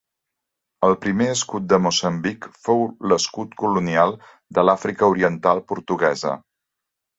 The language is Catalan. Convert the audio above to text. El primer escut de Moçambic fou l'escut colonial de l'Àfrica Oriental Portuguesa.